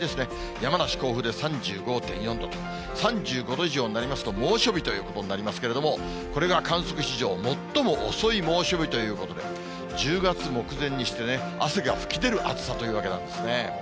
山梨・甲府で３５．４度と、３５度以上になりますと、猛暑日ということになりますけれども、これが観測史上最も遅い猛暑日ということで、１０月目前にして、汗が噴き出る暑さというわけなんですね。